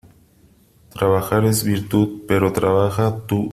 Trabajar es virtud; pero trabaja tú.